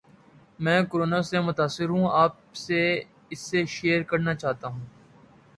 میں کورونا سے متاثر ہوں اپ سے اسے شیئر کرنا چاہتا ہوں